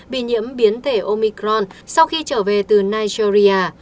bị nhiễm biến thể omicron sau khi trở về từ nigeria